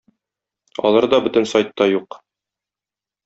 Алары да бөтен сайтта юк.